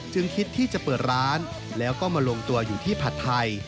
คิดที่จะเปิดร้านแล้วก็มาลงตัวอยู่ที่ผัดไทย